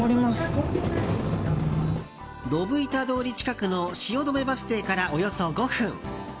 ドブ板通り近くの汐留バス停から、およそ５分。